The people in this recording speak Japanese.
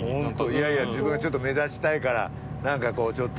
いやいや自分がちょっと目立ちたいから何かこうちょっと。